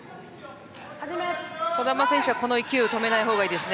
児玉選手はこの勢いを止めない方がいいです。